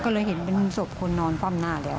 เลยเห็นเป็นศพคนนอนความน่า